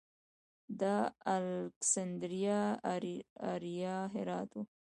د الکسندریه اریا هرات و